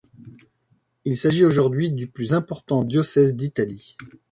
Il s’agit aujourd'hui du plus important diocèse d'Italie.